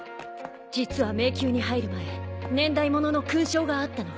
実は迷宮に入る前年代物の勲章があったの。